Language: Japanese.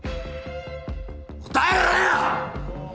答えろよ！！